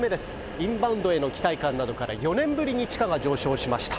インバウンドへの期待感などから４年ぶりに地価が上昇しました。